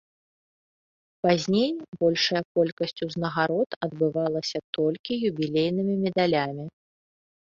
Пазней большая колькасць узнагарод адбывалася толькі юбілейнымі медалямі.